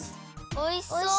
おいしそう！